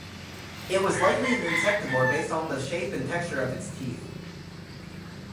It was likely an insectivore based on the shape and texture of its teeth.